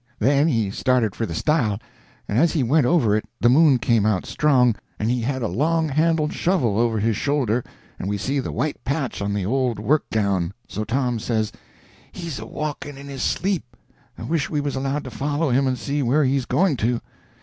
Then he started for the stile, and as he went over it the moon came out strong, and he had a long handled shovel over his shoulder, and we see the white patch on the old work gown. So Tom says: "He's a walking in his sleep. I wish we was allowed to follow him and see where he's going to.